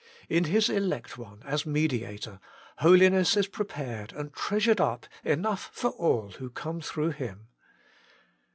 In His Elect One as Mediator, holi ness is prepared and treasured up enough for all who come through Him.